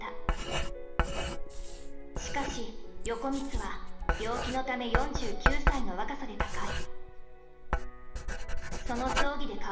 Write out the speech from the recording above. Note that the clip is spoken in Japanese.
しかし横光は病気のため４９歳の若さで他界。